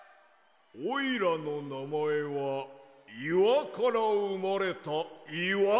おいらのなまえはいわからうまれたいわのすけだ！